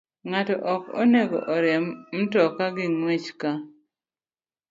Ng'ato ok onego oriemb mtoka gi ng'wech ka